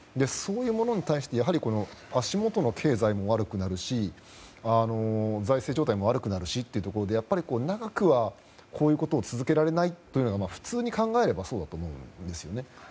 そういうものに対して足元の経済も悪くなるし財政状態も悪くなるしというところで長くはこういうことを続けられないと普通に考えればそうだと思いますよね。